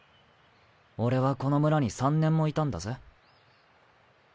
俺はこの村に３年もいたんだぜ。